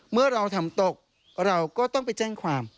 เมื่อเราทำตกเราก็ต้องไปแจ้งความ